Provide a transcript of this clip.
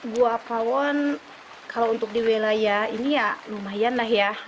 gua pawon kalau untuk di wilayah ini ya lumayan lah ya